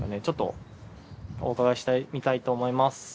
ちょっとお伺いしてみたいと思います。